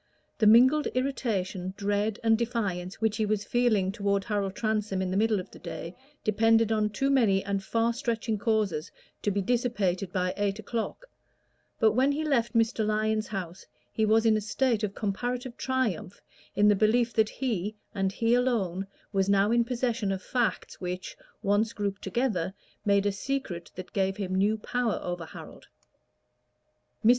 The mingled irritation, dread and defiance which he was feeling toward Harold Transome in the middle of the day depended on too many and far stretching causes to be dissipated by eight o'clock; but when he left Mr. Lyon's house he was in a state of comparative triumph in the belief that he, and he alone, was now in possession of facts which, once grouped together, made a secret that gave him new power over Harold. Mr.